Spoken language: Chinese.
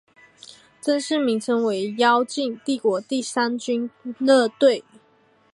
正式名称为妖精帝国第三军乐队。